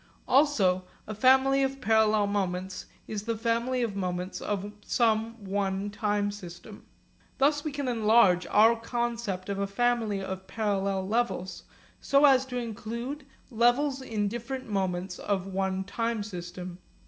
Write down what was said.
Also a family of parallel moments is the family of moments of some one time system. Thus we can enlarge our concept of a family of parallel levels so as to include levels in different moments of one time system.